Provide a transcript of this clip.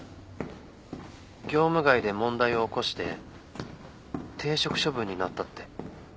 業務外で問題を起こして停職処分になったって。